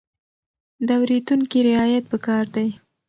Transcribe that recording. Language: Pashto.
د اورېدونکي رعايت پکار دی.